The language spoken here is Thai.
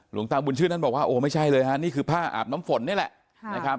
หลวงตาบุญชื่นท่านบอกว่าโอ้ไม่ใช่เลยฮะนี่คือผ้าอาบน้ำฝนนี่แหละนะครับ